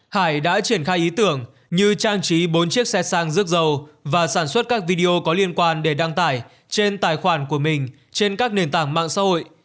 hải đã triển khai ý tưởng như trang trí bốn chiếc xe sang rước dầu và sản xuất các video có liên quan để đăng tải trên tài khoản của mình trên các nền tảng mạng xã hội